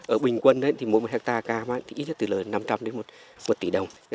ở bình quân mỗi hectare cam ít nhất từ lời năm trăm linh đến một tỷ đồng